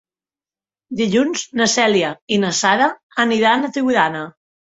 Dilluns na Cèlia i na Sara aniran a Tiurana.